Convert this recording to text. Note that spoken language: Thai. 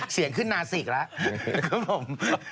เสียงขึ้นนาสีอีกแล้ว